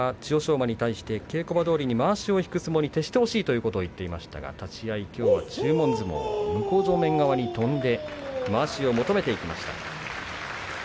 馬に対して稽古場どおりにまわしを引く相撲に徹してほしいということを言ってましたが立ち合いきょうは注文相撲、向正面側に跳んでまわしを求めていきました。